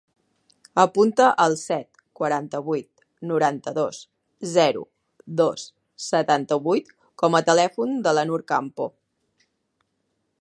Apunta el set, quaranta-vuit, noranta-dos, zero, dos, setanta-vuit com a telèfon de la Nour Campo.